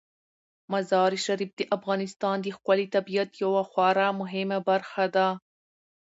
مزارشریف د افغانستان د ښکلي طبیعت یوه خورا مهمه برخه ده.